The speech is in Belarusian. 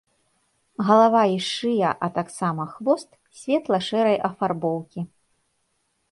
Галава і шыя, а таксама хвост светла-шэрай афарбоўкі.